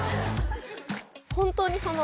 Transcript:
本当にその。